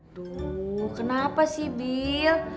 aduh kenapa sih bill